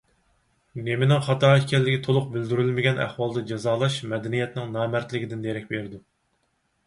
نېمىنىڭ خاتالىق ئىكەنلىكى تولۇق بىلدۈرۈلمىگەن ئەھۋالدا جازالاش مەدەنىيەتنىڭ نامەردلىكىدىن دېرەك بېرىدۇ.